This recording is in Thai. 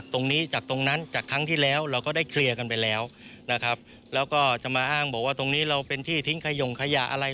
ตรงนี้เราเป็นที่ทิ้งไข่ยงไข่ยาอะไร